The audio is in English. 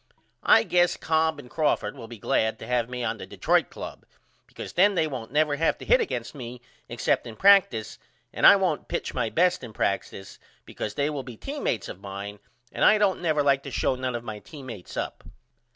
I guess Cobb and Crawford will be glad to have me on the Detroit Club because then they won't never have to hit against me except in practice and I won't pitch my best in practice because they will be teammates of mine and I don't never like to show none of my teammates up.